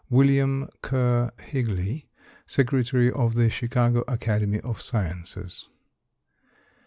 WILLIAM KERR HIGLEY, Secretary of The Chicago Academy of Sciences.